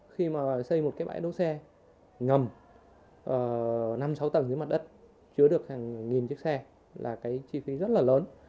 khi mà xây một cái bãi đỗ xe ngầm năm sáu tầng dưới mặt đất chứa được hàng nghìn chiếc xe là cái chi phí rất là lớn